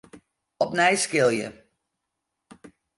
Opnij skilje.